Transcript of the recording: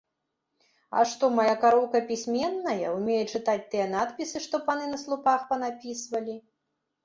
А што, мая кароўка пісьменная, умее чытаць тыя надпісы, што паны на слупах панапісвалі?!